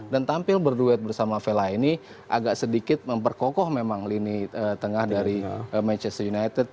dan tampil berduet bersama vela ini agak sedikit memperkokoh memang lini tengah dari manchester united